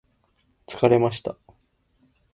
疲れました